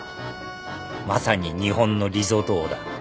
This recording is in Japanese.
まさに日本のリゾート王だ。